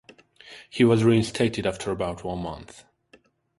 He was reinstated after about one month.